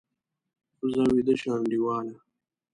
ځه، ویده شه انډیواله!